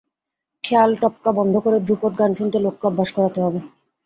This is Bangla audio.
খেয়াল-টপ্পা বন্ধ করে ধ্রুপদ গান শুনতে লোককে অভ্যাস করাতে হবে।